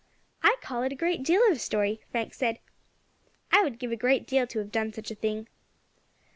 "I call it a great deal of a story," Frank said; "I would give a great deal to have done such a thing."